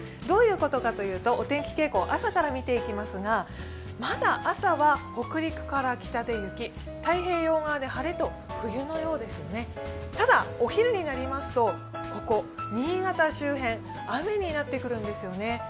どういうことかというと、お天気傾向を朝から見ていきますがまだ朝は北陸から北で雪、太平洋側で晴れと、冬のようですねただ、お昼になりますと、ここ新潟周辺、雨になってくるんですよね。